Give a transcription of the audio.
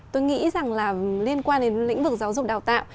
tôi nghĩ rằng là liên quan đến lĩnh vực giáo dục đào tạo